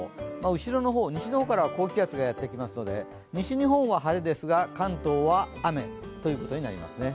後ろの方、西の方から高気圧がやってきますので西日本は晴れですが、関東は雨ということになりますね。